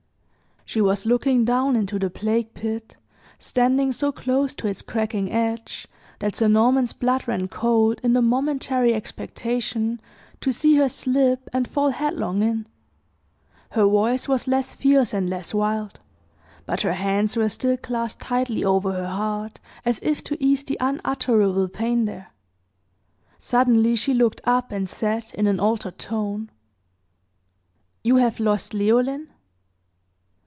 She was looking down into the plague pit, standing so close to its cracking edge, that Sir Norman's blood ran cold, in the momentary expectation to see her slip and fall headlong in. Her voice was less fierce and less wild, but her hands were still clasped tightly over her heart, as if to ease the unutterable pain there. Suddenly, she looked up, and said, in an altered tone: "You have lost Leoline?"